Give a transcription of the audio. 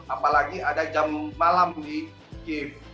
apalagi ada jam malam di kiev